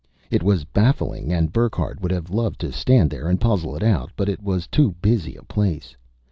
It was baffling and Burckhardt would have loved to stand there and puzzle it out, but it was too busy a place.